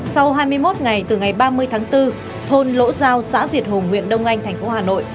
sau hai mươi một ngày từ ngày ba mươi tháng bốn thôn lỗ giao xã việt hùng nguyện đông anh tp hà nội